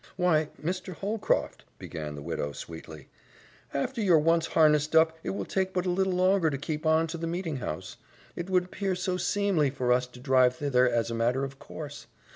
"Why, Mr. Holcroft," began the widow sweetly, "after you've once harnessed up it will take but a little longer to keep on to the meeting house. It would appear so seemly for us to drive thither, as a matter of course.